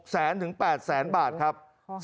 แสนถึง๘แสนบาทครับ